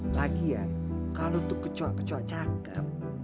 lagi ya kalo tuh kecoa kecoa cakep